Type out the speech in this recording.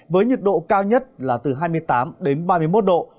với nhiệt độ cao nhất là từ hai mươi tám đến ba mươi một độ